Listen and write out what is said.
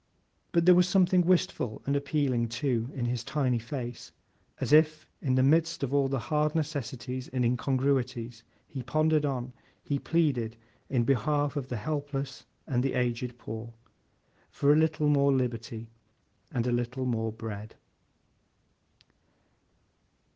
But there was something wistful and appealing, too, in his tiny face, as if, in the midst of all the hard necessities and incongruities he pondered on, he pleaded, in behalf of the helpless and the aged poor, for a little more liberty—and a little more bread.